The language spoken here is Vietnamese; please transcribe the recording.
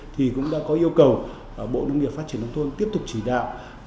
thì cũng đã có yêu cầu bộ nông nghiệp phát triển nông thôn tiếp tục chỉ đạo